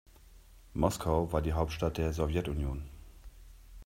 Moskau war die Hauptstadt der Sowjetunion.